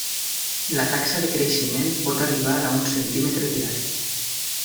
La taxa de creixement pot arribar a un centímetre diari.